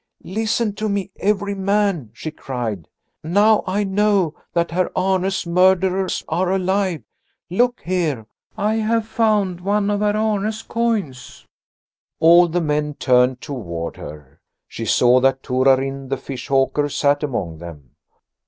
"Listen to me, every man!" she cried. "Now I know that Herr Arne's murderers are alive. Look here! I have found one of Herr Arne's coins." All the men turned toward her. She saw that Torarin the fish hawker sat among them.